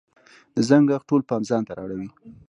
د زنګ ږغ ټول پام ځانته را اړوي.